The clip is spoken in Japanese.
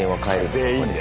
全員で？